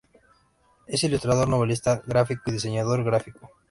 Es ilustrador, novelista gráfico y diseñador gráfico.